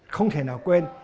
không thể nào quên